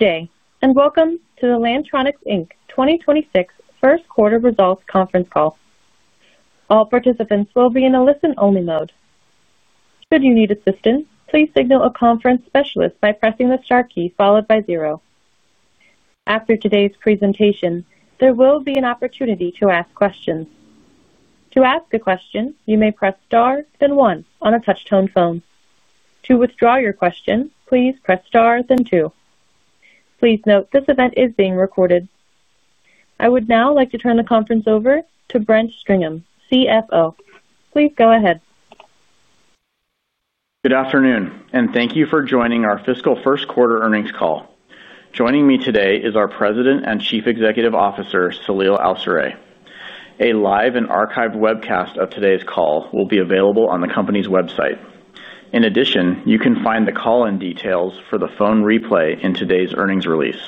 Good day, and welcome to the Lantronix 2026 First Quarter Results Conference Call. All participants will be in a listen-only mode. Should you need assistance, please signal a conference specialist by pressing the star key followed by zero. After today's presentation, there will be an opportunity to ask questions. To ask a question, you may press star then one on a touch-tone phone. To withdraw your question, please press star then two. Please note this event is being recorded. I would now like to turn the conference over to Brent Stringham, CFO. Please go ahead. Good afternoon, and thank you for joining our Fiscal First Quarter Earnings Call. Joining me today is our President and Chief Executive Officer, Saleel Awsare. A live and archived webcast of today's call will be available on the company's website. In addition, you can find the call-in details for the phone replay in today's Earnings Release.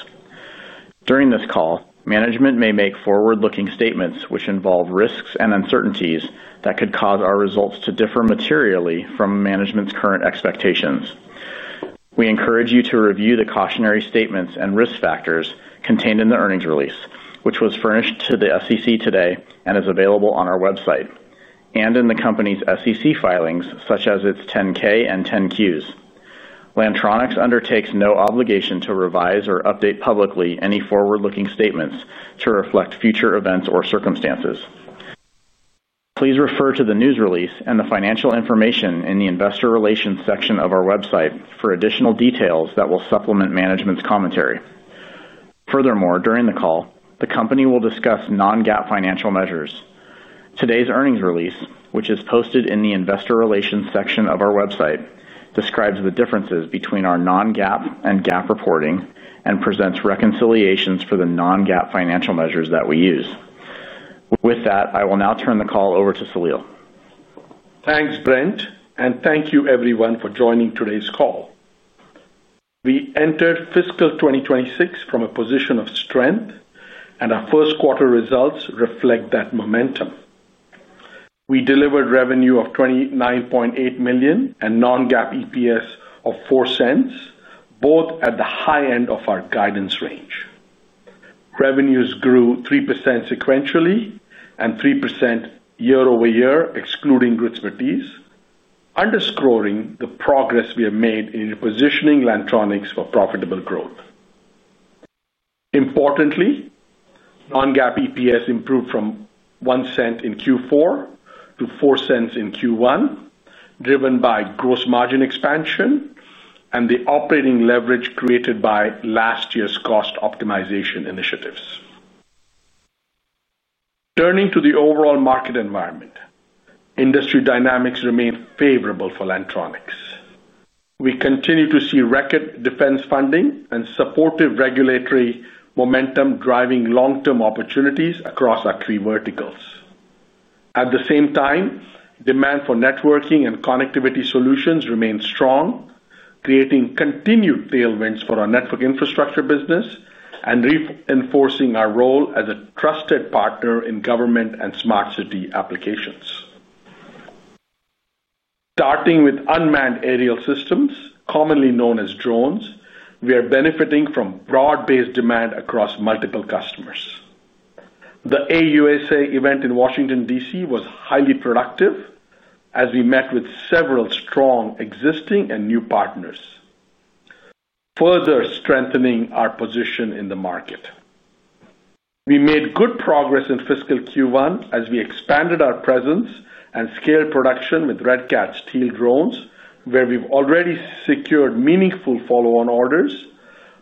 During this call, management may make forward-looking statements which involve risks and uncertainties that could cause our results to differ materially from management's current expectations. We encourage you to review the cautionary statements and risk factors contained in the Earnings Release, which was furnished to the SEC today and is available on our website and in the company's SEC filings, such as its 10-K and 10-Qs. Lantronix undertakes no obligation to revise or update publicly any forward-looking statements to reflect future events or circumstances. Please refer to the news release and the financial information in the investor relations section of our website for additional details that will supplement management's commentary. Furthermore, during the call, the company will discuss non-GAAP financial measures. Today's Earnings Release, which is posted in the investor relations section of our website, describes the differences between our non-GAAP and GAAP reporting and presents reconciliations for the non-GAAP financial measures that we use. With that, I will now turn the call over to Saleel. Thanks, Brent, and thank you, everyone, for joining today's call. We entered fiscal 2026 from a position of strength, and our first quarter results reflect that momentum. We delivered revenue of $29.8 million and non-GAAP EPS of $0.04, both at the high end of our guidance range. Revenues grew 3% sequentially and 3% year-over-year, excluding GRIT's fatigue, underscoring the progress we have made in repositioning Lantronix for profitable growth. Importantly, non-GAAP EPS improved from $0.01 in Q4 to $0.04 in Q1, driven by gross margin expansion and the operating leverage created by last year's cost optimization initiatives. Turning to the overall market environment, industry dynamics remain favorable for Lantronix. We continue to see record defense funding and supportive regulatory momentum driving long-term opportunities across our three verticals. At the same time, demand for networking and connectivity solutions remains strong, creating continued tailwinds for our network infrastructure business and reinforcing our role as a trusted partner in government and smart city applications. Starting with unmanned aerial systems, commonly known as drones, we are benefiting from broad-based demand across multiple customers. The AUSA event in Washington, DC, was highly productive as we met with several strong existing and new partners. Further strengthening our position in the market, we made good progress in fiscal Q1 as we expanded our presence and scaled production with Red Cat's Teal Drones, where we've already secured meaningful follow-on orders,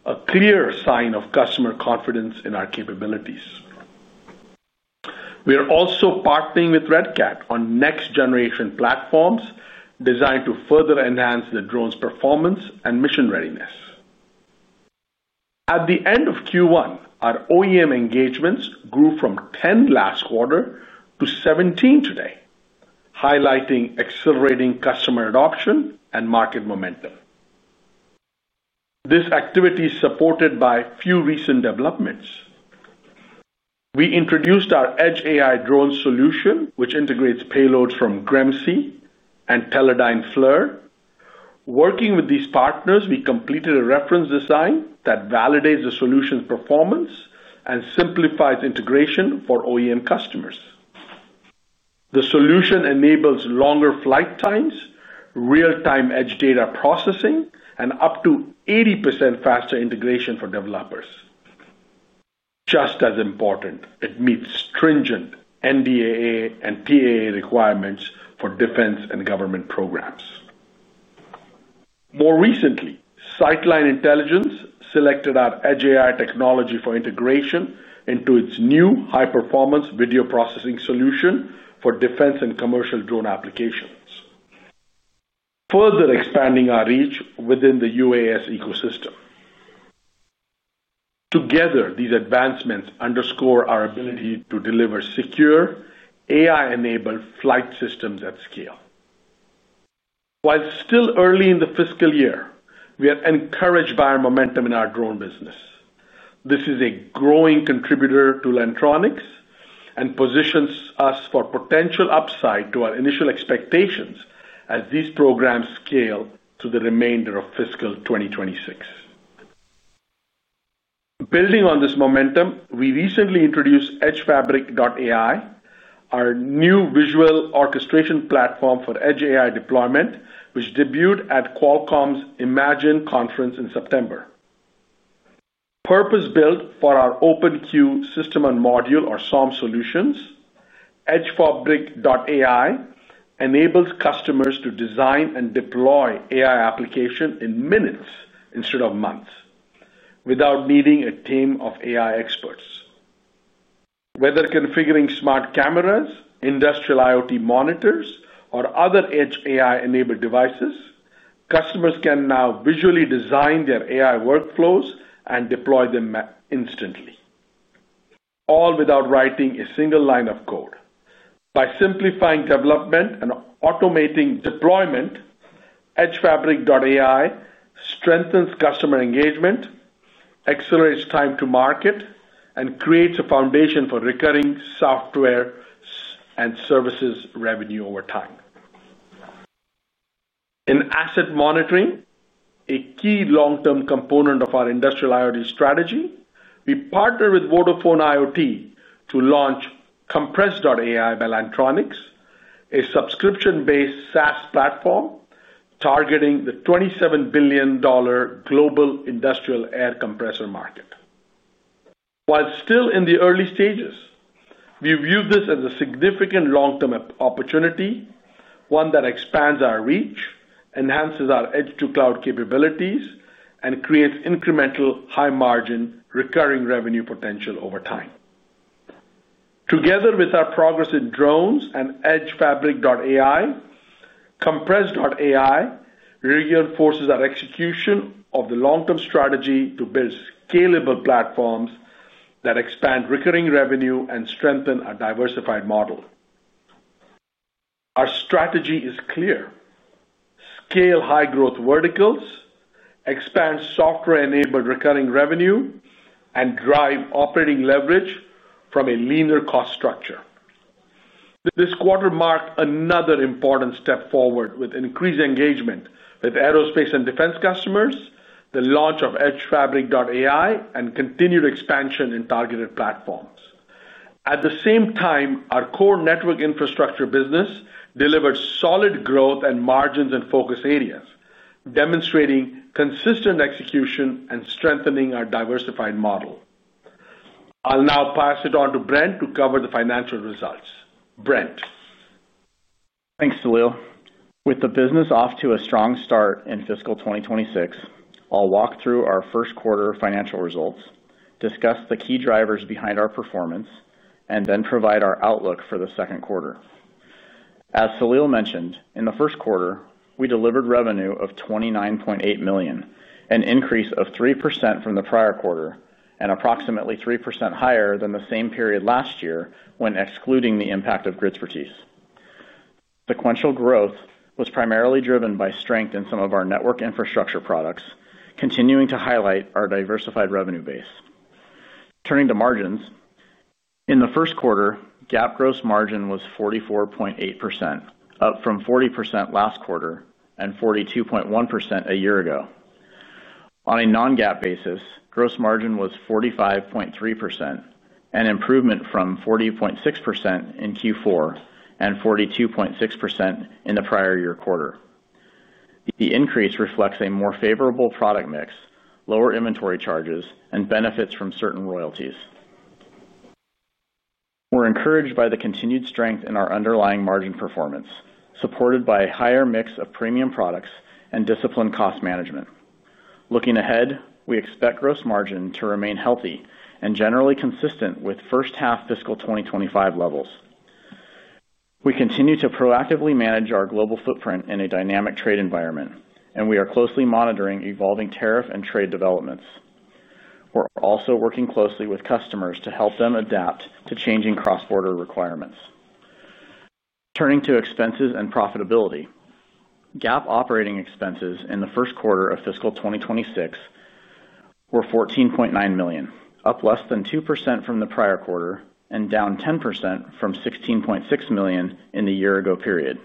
a clear sign of customer confidence in our capabilities. We are also partnering with Red Cat on next-generation platforms designed to further enhance the drone's performance and mission readiness. At the end of Q1, our OEM engagements grew from 10 last quarter to 17 today, highlighting accelerating customer adoption and market momentum. This activity is supported by a few recent developments. We introduced our edge AI drone solution, which integrates payloads from Gremsy and Teledyne FLIR. Working with these partners, we completed a reference design that validates the solution's performance and simplifies integration for OEM customers. The solution enables longer flight times, real-time edge data processing, and up to 80% faster integration for developers. Just as important, it meets stringent NDAA and PAA requirements for defense and government programs. More recently, Siteline Intelligence selected our edge AI technology for integration into its new high-performance video processing solution for defense and commercial drone applications. Further expanding our reach within the UAS ecosystem. Together, these advancements underscore our ability to deliver secure, AI-enabled flight systems at scale. While still early in the fiscal year, we are encouraged by our momentum in our drone business. This is a growing contributor to Lantronix and positions us for potential upside to our initial expectations as these programs scale through the remainder of fiscal 2026. Building on this momentum, we recently introduced edgefabric.ai, our new visual orchestration platform for edge AI deployment, which debuted at Qualcomm's Imagine Conference in September. Purpose-built for our Open-Q system and module, our SOM solutions, edgefabric.ai enables customers to design and deploy AI applications in minutes instead of months without needing a team of AI experts. Whether configuring smart cameras, industrial IoT monitors, or other edge AI-enabled devices, customers can now visually design their AI workflows and deploy them instantly. All without writing a single line of code. By simplifying development and automating deployment, edgefabric.ai strengthens customer engagement. Accelerates time to market, and creates a foundation for recurring software and services revenue over time. In asset monitoring, a key long-term component of our industrial IoT strategy, we partnered with Vodafone IoT to launch compress.ai by Lantronix, a subscription-based SaaS platform targeting the $27 billion global industrial air compressor market. While still in the early stages, we view this as a significant long-term opportunity, one that expands our reach, enhances our edge-to-cloud capabilities, and creates incremental high-margin recurring revenue potential over time. Together with our progress in drones and edgefabric.ai, compress.ai reinforces our execution of the long-term strategy to build scalable platforms that expand recurring revenue and strengthen our diversified model. Our strategy is clear. Scale high-growth verticals, expand software-enabled recurring revenue, and drive operating leverage from a leaner cost structure. This quarter marked another important step forward with increased engagement with aerospace and defense customers, the launch of edgefabric.ai, and continued expansion in targeted platforms. At the same time, our core network infrastructure business delivered solid growth and margins in focus areas, demonstrating consistent execution and strengthening our diversified model. I'll now pass it on to Brent to cover the financial results. Brent. Thanks, Saleel. With the business off to a strong start in fiscal 2026, I'll walk through our first quarter financial results, discuss the key drivers behind our performance, and then provide our outlook for the second quarter. As Saleel mentioned, in the first quarter, we delivered revenue of $29.8 million, an increase of 3% from the prior quarter and approximately 3% higher than the same period last year when excluding the impact of GRIT's fatigues. Sequential growth was primarily driven by strength in some of our network infrastructure products, continuing to highlight our diversified revenue base. Turning to margins, in the first quarter, GAAP gross margin was 44.8%, up from 40% last quarter and 42.1% a year ago. On a non-GAAP basis, gross margin was 45.3%, an improvement from 40.6% in Q4 and 42.6% in the prior year quarter. The increase reflects a more favorable product mix, lower inventory charges, and benefits from certain royalties. We're encouraged by the continued strength in our underlying margin performance, supported by a higher mix of premium products and disciplined cost management. Looking ahead, we expect gross margin to remain healthy and generally consistent with first-half fiscal 2025 levels. We continue to proactively manage our global footprint in a dynamic trade environment, and we are closely monitoring evolving tariff and trade developments. We're also working closely with customers to help them adapt to changing cross-border requirements. Turning to expenses and profitability, GAAP operating expenses in the first quarter of fiscal 2026 were $14.9 million, up less than 2% from the prior quarter and down 10% from $16.6 million in the year-ago period.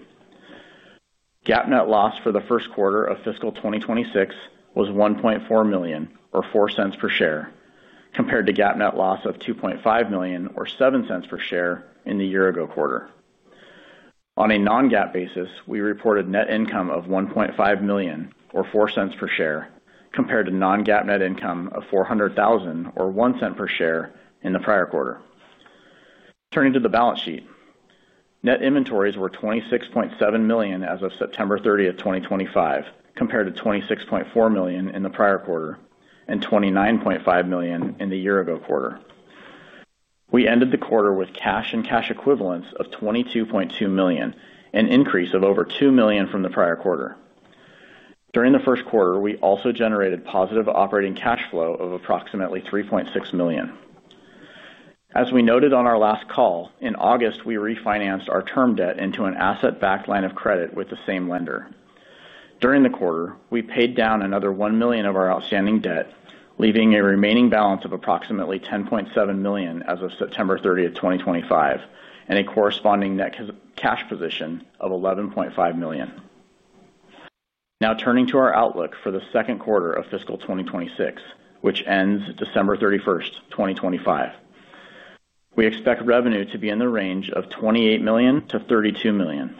GAAP net loss for the first quarter of fiscal 2026 was $1.4 million, or $0.04 per share, compared to GAAP net loss of $2.5 million, or $0.07 per share, in the year-ago quarter. On a non-GAAP basis, we reported net income of $1.5 million, or $0.04 per share, compared to non-GAAP net income of $400,000, or $0.01 per share, in the prior quarter. Turning to the balance sheet, net inventories were $26.7 million as of September 30, 2025, compared to $26.4 million in the prior quarter and $29.5 million in the year-ago quarter. We ended the quarter with cash and cash equivalents of $22.2 million, an increase of over $2 million from the prior quarter. During the first quarter, we also generated positive operating cash flow of approximately $3.6 million. As we noted on our last call, in August, we refinanced our term debt into an asset-backed line of credit with the same lender. During the quarter, we paid down another $1 million of our outstanding debt, leaving a remaining balance of approximately $10.7 million as of September 30, 2025, and a corresponding net cash position of $11.5 million. Now, turning to our outlook for the second quarter of fiscal 2026, which ends December 31, 2025. We expect revenue to be in the range of $28 million-$32 million.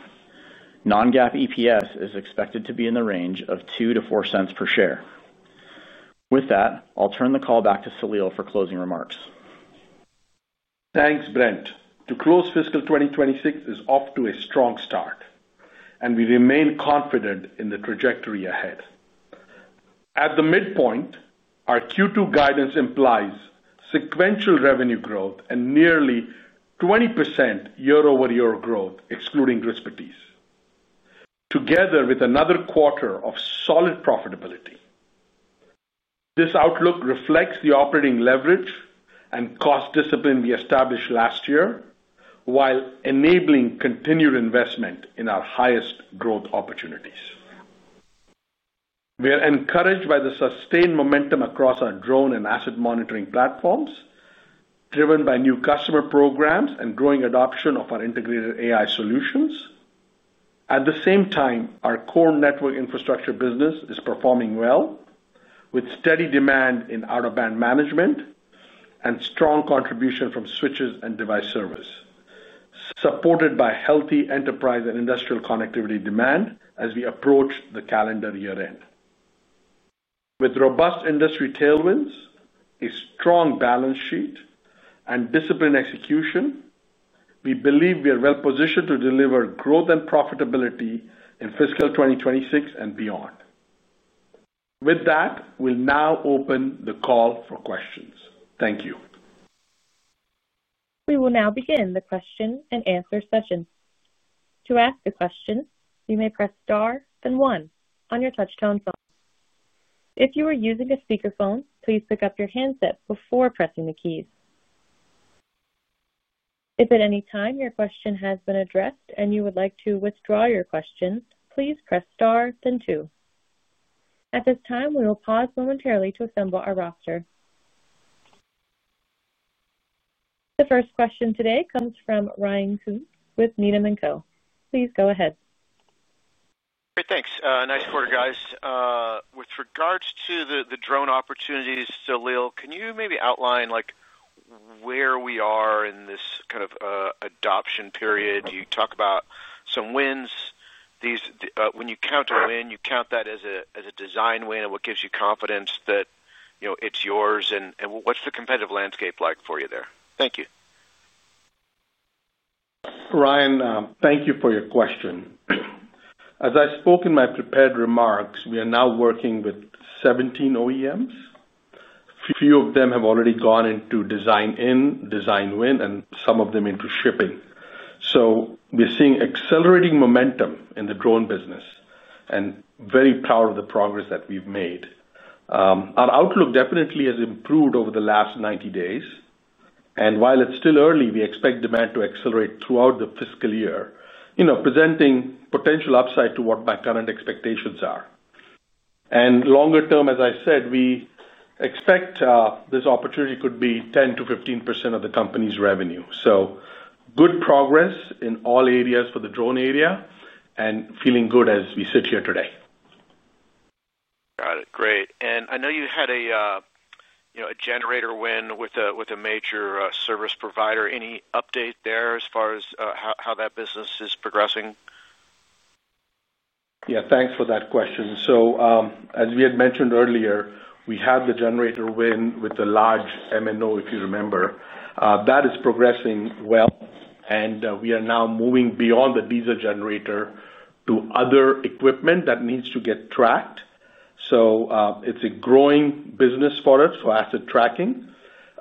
Non-GAAP EPS is expected to be in the range of $0.02-$0.04 per share. With that, I'll turn the call back to Saleel for closing remarks. Thanks, Brent. To close, fiscal 2026 is off to a strong start. We remain confident in the trajectory ahead. At the midpoint, our Q2 guidance implies sequential revenue growth and nearly 20% year-over-year growth, excluding GRIT's fatigues, together with another quarter of solid profitability. This outlook reflects the operating leverage and cost discipline we established last year while enabling continued investment in our highest growth opportunities. We are encouraged by the sustained momentum across our drone and asset monitoring platforms, driven by new customer programs and growing adoption of our integrated AI solutions. At the same time, our core network infrastructure business is performing well, with steady demand in out-of-band management and strong contribution from switches and device servers, supported by healthy enterprise and industrial connectivity demand as we approach the calendar year-end. With robust industry tailwinds, a strong balance sheet, and disciplined execution, we believe we are well-positioned to deliver growth and profitability in fiscal 2026 and beyond. With that, we'll now open the call for questions. Thank you. We will now begin the question and answer session. To ask a question, you may press star then one on your touch-tone phone. If you are using a speakerphone, please pick up your handset before pressing the keys. If at any time your question has been addressed and you would like to withdraw your question, please press star then two. At this time, we will pause momentarily to assemble our roster. The first question today comes from Ryan Koontz with Needham & Co Please go ahead. Great. Thanks. Nice quarter, guys. With regards to the drone opportunities, Saleel, can you maybe outline where we are in this kind of adoption period? You talk about some wins. When you count a win, you count that as a design win and what gives you confidence that it's yours. What's the competitive landscape like for you there? Thank you. Ryan, thank you for your question. As I spoke in my prepared remarks, we are now working with 17 OEMs. Few of them have already gone into design in, design win, and some of them into shipping. We are seeing accelerating momentum in the drone business. Very proud of the progress that we have made. Our outlook definitely has improved over the last 90 days. While it is still early, we expect demand to accelerate throughout the fiscal year, presenting potential upside to what my current expectations are. Longer term, as I said, we expect this opportunity could be 10-15% of the company's revenue. Good progress in all areas for the drone area and feeling good as we sit here today. Got it. Great. I know you had a generator win with a major service provider. Any update there as far as how that business is progressing? Yeah. Thanks for that question. As we had mentioned earlier, we had the generator win with the large MNO, if you remember. That is progressing well. We are now moving beyond the diesel generator to other equipment that needs to get tracked. It is a growing business for us for asset tracking.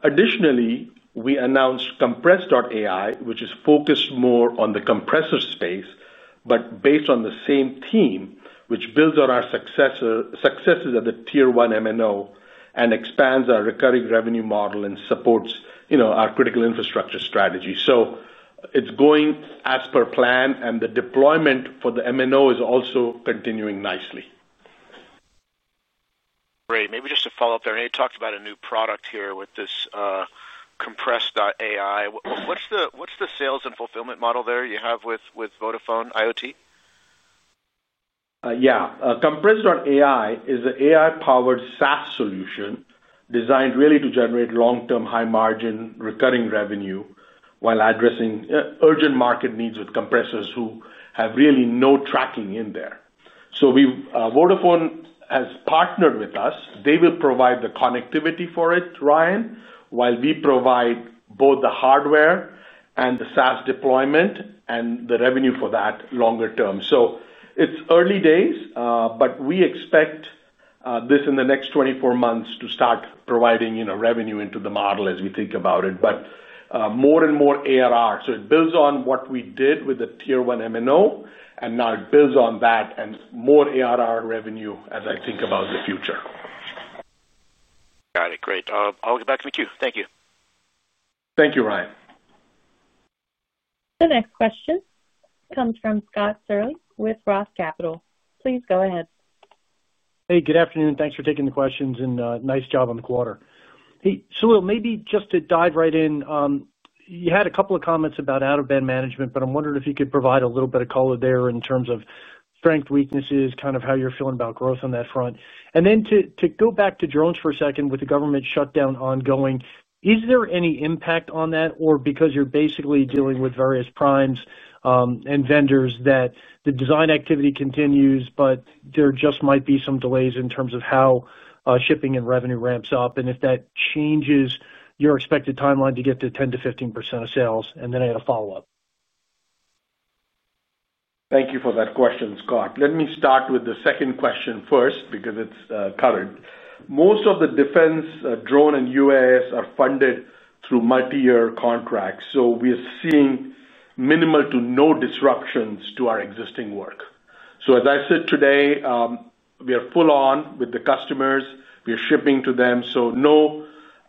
Additionally, we announced compress.ai, which is focused more on the compressor space, but based on the same theme, which builds on our successes at the tier one MNO and expands our recurring revenue model and supports our critical infrastructure strategy. It is going as per plan, and the deployment for the MNO is also continuing nicely. Great. Maybe just to follow up there, I know you talked about a new product here with this compress.ai. What's the sales and fulfillment model there you have with Vodafone IoT? Yeah. Compress.ai is an AI-powered SaaS solution designed really to generate long-term high-margin recurring revenue while addressing urgent market needs with compressors who have really no tracking in there. Vodafone has partnered with us. They will provide the connectivity for it, Ryan, while we provide both the hardware and the SaaS deployment and the revenue for that longer term. It is early days, but we expect this in the next 24 months to start providing revenue into the model as we think about it. More and more ARR. It builds on what we did with the tier one MNO, and now it builds on that and more ARR revenue as I think about the future. Got it. Great. I'll get back to me, too. Thank you. Thank you, Ryan. The next question comes from Scott Searle with Roth Capital Partners. Please go ahead. Hey, good afternoon. Thanks for taking the questions, and nice job on the quarter. Hey, Saleel, maybe just to dive right in. You had a couple of comments about out-of-band management, but I'm wondering if you could provide a little bit of color there in terms of strengths, weaknesses, kind of how you're feeling about growth on that front. To go back to drones for a second, with the government shutdown ongoing, is there any impact on that, or because you're basically dealing with various primes and vendors that the design activity continues, but there just might be some delays in terms of how shipping and revenue ramps up, and if that changes your expected timeline to get to 10-15% of sales? I had a follow-up. Thank you for that question, Scott. Let me start with the second question first because it's covered. Most of the defense drone and UAS are funded through multi-year contracts. We are seeing minimal to no disruptions to our existing work. As I said today, we are full on with the customers. We are shipping to them.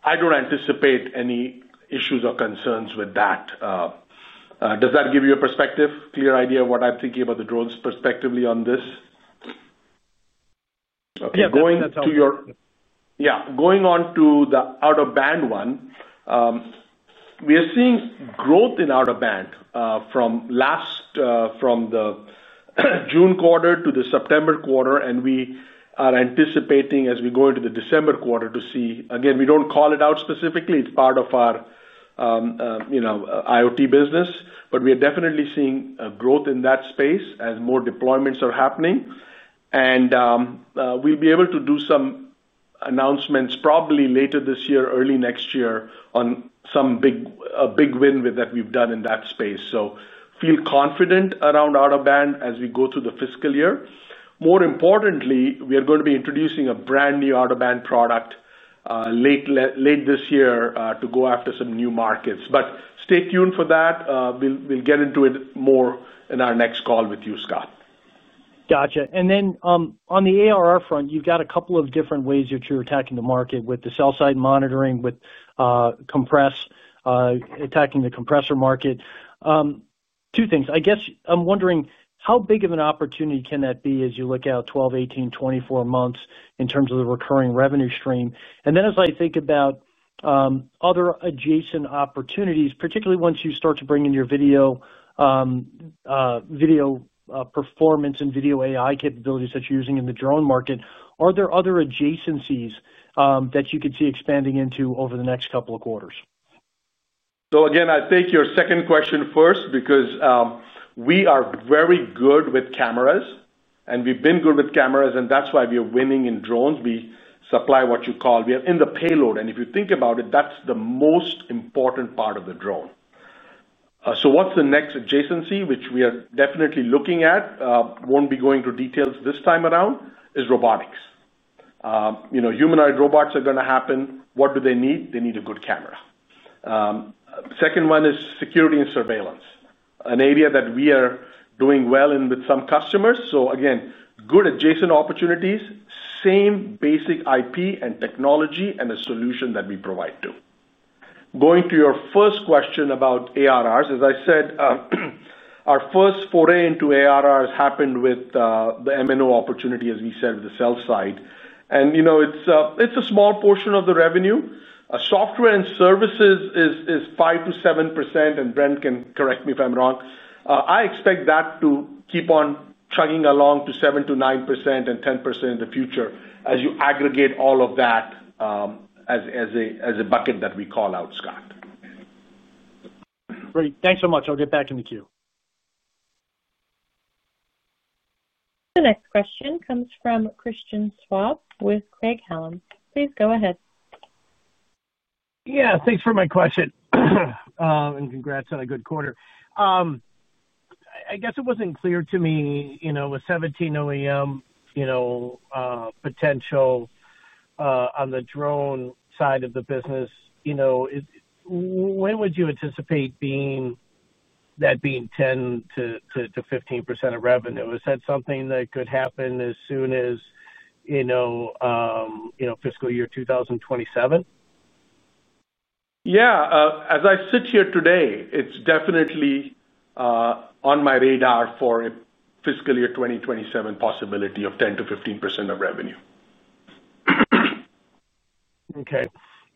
I don't anticipate any issues or concerns with that. Does that give you a perspective, clear idea of what I'm thinking about the drones perspectively on this? Yeah. That's awesome. Yeah. Going on to the out-of-band one. We are seeing growth in out-of-band from the June quarter to the September quarter, and we are anticipating, as we go into the December quarter, to see again, we do not call it out specifically. It is part of our IoT business, but we are definitely seeing growth in that space as more deployments are happening. We will be able to do some announcements probably later this year, early next year on some big win that we have done in that space. I feel confident around out-of-band as we go through the fiscal year. More importantly, we are going to be introducing a brand new out-of-band product late this year to go after some new markets. Stay tuned for that. We will get into it more in our next call with you, Scott. Gotcha. Then on the ARR front, you've got a couple of different ways that you're attacking the market with the sell-side monitoring, with compress.ai attacking the compressor market. Two things. I guess I'm wondering how big of an opportunity can that be as you look out 12, 18, 24 months in terms of the recurring revenue stream? Then as I think about other adjacent opportunities, particularly once you start to bring in your video performance and video AI capabilities that you're using in the drone market, are there other adjacencies that you could see expanding into over the next couple of quarters? Again, I take your second question first because we are very good with cameras, and we've been good with cameras, and that's why we are winning in drones. We supply what you call we are in the payload. If you think about it, that's the most important part of the drone. What's the next adjacency, which we are definitely looking at, won't be going into details this time around, is robotics. Humanoid robots are going to happen. What do they need? They need a good camera. Second one is security and surveillance, an area that we are doing well in with some customers. Again, good adjacent opportunities, same basic IP and technology and a solution that we provide to. Going to your first question about ARRs, as I said, our first foray into ARRs happened with the MNO opportunity, as we said, with the sell-side. It is a small portion of the revenue. Software and services is 5-7%, and Brent can correct me if I am wrong. I expect that to keep on chugging along to 7-9% and 10% in the future as you aggregate all of that. As a bucket that we call out, Scott. Great. Thanks so much. I'll get back in the queue. The next question comes from Christian Schwab with Craig-Hallum. Please go ahead. Yeah. Thanks for my question. And congrats on a good quarter. I guess it wasn't clear to me, with 17 OEM potential on the drone side of the business. When would you anticipate that being 10-15% of revenue? Is that something that could happen as soon as fiscal year 2027? Yeah. As I sit here today, it's definitely on my radar for a fiscal year 2027 possibility of 10-15% of revenue. Okay.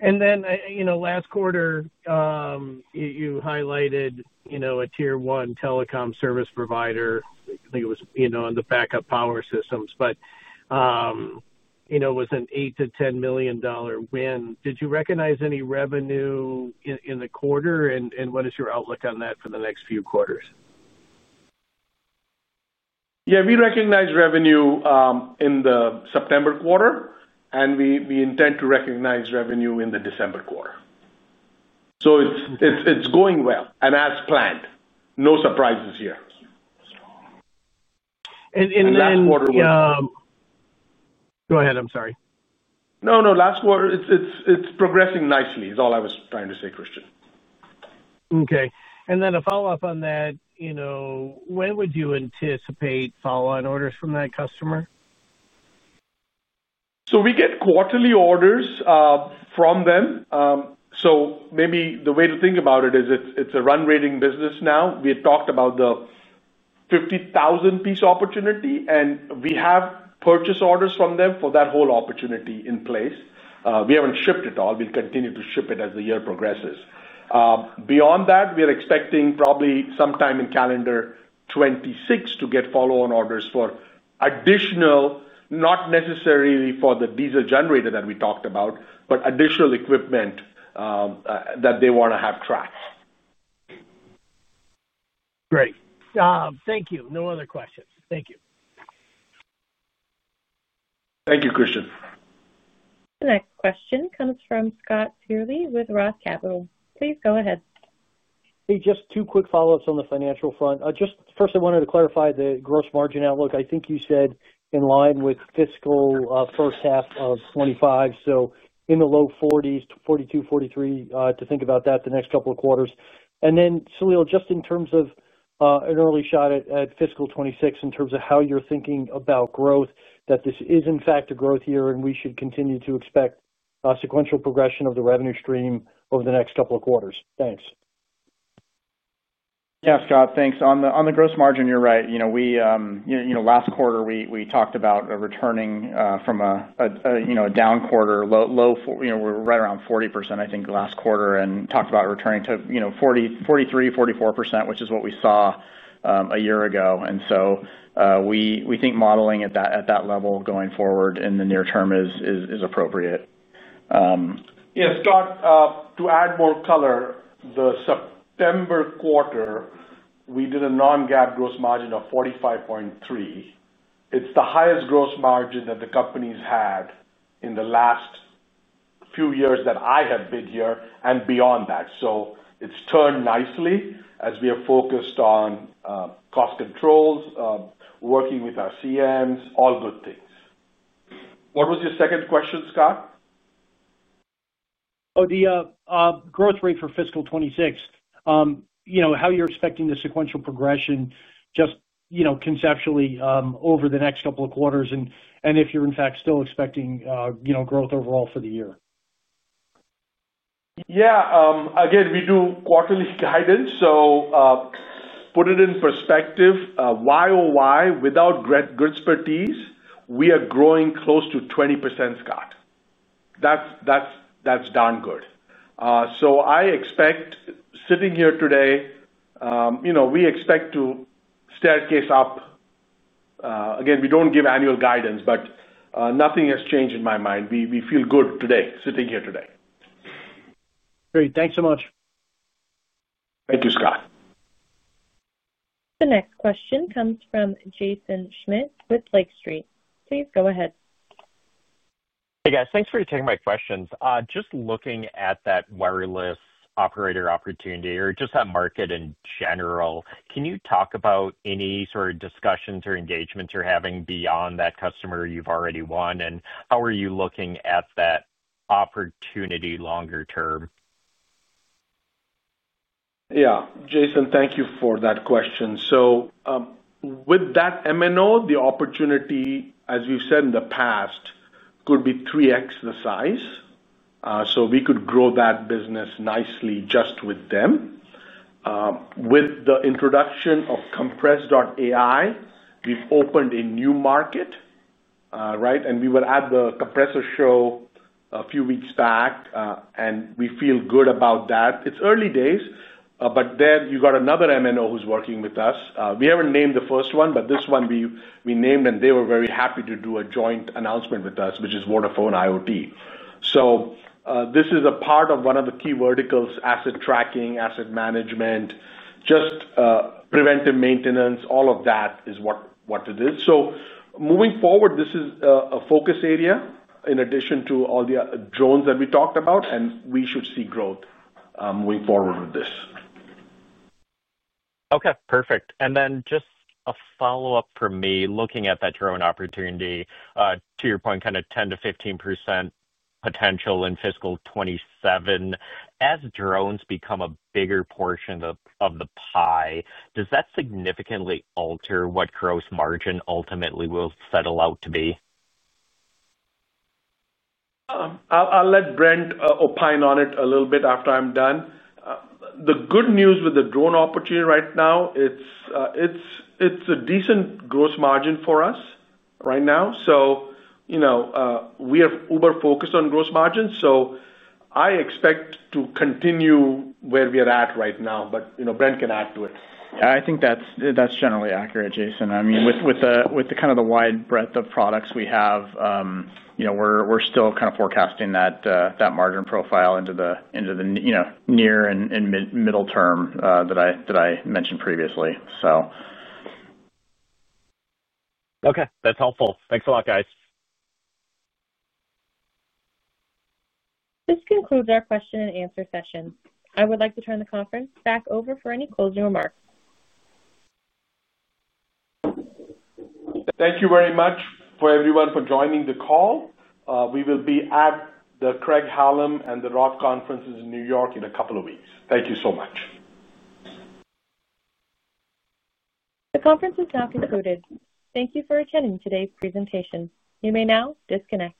Last quarter, you highlighted a tier one telecom service provider. I think it was on the backup power systems. It was an $8 million-$10 million win. Did you recognize any revenue in the quarter, and what is your outlook on that for the next few quarters? Yeah. We recognized revenue in the September quarter, and we intend to recognize revenue in the December quarter. It is going well and as planned. No surprises here. And then. Last quarter was. Go ahead. I'm sorry. No, no. It's progressing nicely is all I was trying to say, Christian. Okay. A follow-up on that. When would you anticipate follow-on orders from that customer? We get quarterly orders from them. Maybe the way to think about it is it's a run rating business now. We had talked about the 50,000-piece opportunity, and we have purchase orders from them for that whole opportunity in place. We haven't shipped it all. We'll continue to ship it as the year progresses. Beyond that, we are expecting probably sometime in calendar 2026 to get follow-on orders for additional, not necessarily for the diesel generator that we talked about, but additional equipment that they want to have tracked. Great. Thank you. No other questions. Thank you. Thank you, Christian. The next question comes from Scott Searle with Roth Capital Partners. Please go ahead. Hey, just two quick follow-ups on the financial front. Just first, I wanted to clarify the gross margin outlook. I think you said in line with fiscal first half of 2025, so in the low 40s, 42-43% to think about that the next couple of quarters. Then, Saleel, just in terms of an early shot at fiscal 2026 in terms of how you're thinking about growth, that this is, in fact, a growth year and we should continue to expect sequential progression of the revenue stream over the next couple of quarters. Thanks. Yeah, Scott, thanks. On the gross margin, you're right. Last quarter, we talked about returning from a down quarter, low. We were right around 40% last quarter, and talked about returning to 43%-44%, which is what we saw a year ago. We think modeling at that level going forward in the near term is appropriate. Yeah. Scott, to add more color, the September quarter, we did a non-GAAP gross margin of 45.3%. It's the highest gross margin that the company has had in the last few years that I have been here and beyond that. It has turned nicely as we have focused on cost controls, working with our CMs, all good things. What was your second question, Scott? Oh, the growth rate for fiscal 2026. How you're expecting the sequential progression just conceptually over the next couple of quarters and if you're, in fact, still expecting growth overall for the year. Yeah. Again, we do quarterly guidance. So. Put it in perspective, year over year, without Gremsy and Teledyne FLIR, we are growing close to 20%, Scott. That's darn good. So I expect, sitting here today. We expect to. Staircase up. Again, we don't give annual guidance, but nothing has changed in my mind. We feel good today, sitting here today. Great. Thanks so much. Thank you, Scott. The next question comes from Jaeson Schmidt with Lake Street. Please go ahead. Hey, guys. Thanks for taking my questions. Just looking at that wireless operator opportunity or just that market in general, can you talk about any sort of discussions or engagements you're having beyond that customer you've already won? How are you looking at that opportunity longer term? Yeah. Jaeson, thank you for that question. With that MNO, the opportunity, as we've said in the past, could be 3X the size. We could grow that business nicely just with them. With the introduction of compress.ai, we've opened a new market. Right? We were at the Compressor Show a few weeks back, and we feel good about that. It's early days, but then you got another MNO who's working with us. We haven't named the first one, but this one we named, and they were very happy to do a joint announcement with us, which is Vodafone IoT. This is a part of one of the key verticals, asset tracking, asset management. Just preventive maintenance, all of that is what it is. Moving forward, this is a focus area in addition to all the drones that we talked about, and we should see growth moving forward with this. Okay. Perfect. And then just a follow-up for me, looking at that drone opportunity, to your point, kind of 10-15% potential in fiscal 2027. As drones become a bigger portion of the pie, does that significantly alter what gross margin ultimately will settle out to be? I'll let Brent opine on it a little bit after I'm done. The good news with the drone opportunity right now, it's a decent gross margin for us right now. We are uber-focused on gross margins. I expect to continue where we are at right now, but Brent can add to it. Yeah. I think that's generally accurate, Jaeson. I mean, with kind of the wide breadth of products we have, we're still kind of forecasting that margin profile into the near and middle term that I mentioned previously. Okay. That's helpful. Thanks a lot, guys. This concludes our question and answer session. I would like to turn the conference back over for any closing remarks. Thank you very much for everyone for joining the call. We will be at the Craig-Hallum and the Roth conferences in New York in a couple of weeks. Thank you so much. The conference is now concluded. Thank you for attending today's presentation. You may now disconnect.